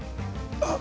あっ。